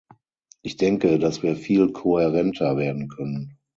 Ich denke, dass wir viel kohärenter werden können.